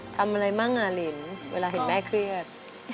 ทำอะไรบ้างอ่ะลินเวลาเห็นแม่เครียด